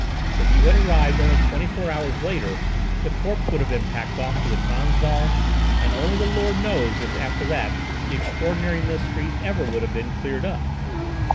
If you had arrived only twenty four hours later the corpse would have been packed off to the Transvaal, and only the Lord knows if after that the extraordinary mystery ever would have been cleared up."